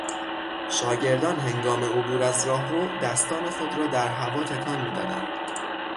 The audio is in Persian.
شاگردانهنگام عبور از راهرو، دستان خود را در هوا تکان میدادند.